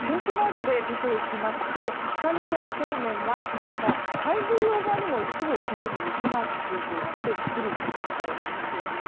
天気マークで見ていきますと北日本方面は太平洋側にも一部、雪マークがついていまして降る時間帯ありそうです。